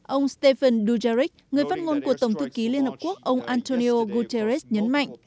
ông stephen duzaric người phát ngôn của tổng thư ký liên hợp quốc ông antonio guterres nhấn mạnh